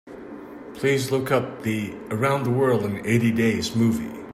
Please look up the Around the World in Eighty Days movie.